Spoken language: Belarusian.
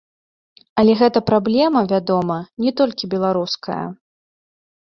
Але гэта праблема, вядома, не толькі беларуская.